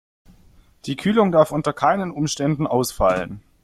Die Kühlung darf unter keinen Umständen ausfallen.